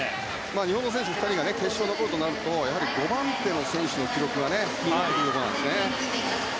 日本の選手２人が決勝に残るとなるとやはり５番手の選手の記録が気になってくるところですね。